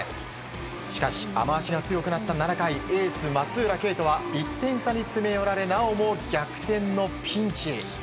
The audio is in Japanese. しかし雨脚が強くなった７回エース松浦慶斗は１点差に詰め寄られなおも逆転のピンチ。